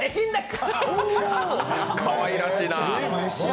かわいらしいなあ。